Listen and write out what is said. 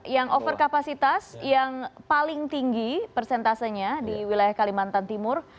yang over kapasitas yang paling tinggi persentasenya di wilayah kalimantan timur